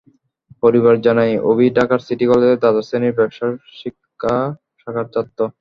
পরিবার জানায়, অভি ঢাকার সিটি কলেজের দ্বাদশ শ্রেণির ব্যবসায় শিক্ষা শাখার ছাত্র।